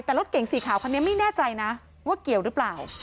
แต่รถเก่งสีขาวคันนี้ไม่แน่ใจนะว่าเกี่ยวหรือเปล่า